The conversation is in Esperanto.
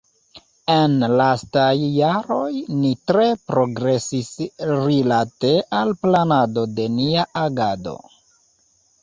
En lastaj jaroj ni tre progresis rilate al planado de nia agado.